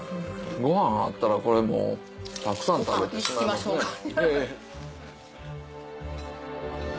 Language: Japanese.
ご飯あったらこれもうたくさん食べてしまいますね。